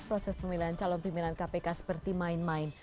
proses pemilihan calon pimpinan kpk seperti main main